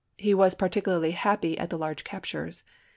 He was partic ularly happy at the large captures.